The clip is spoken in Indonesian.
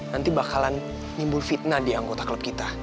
nanti bakalan nyembul fitnah di anggota klub kita